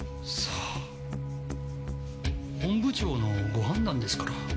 さあ本部長のご判断ですから。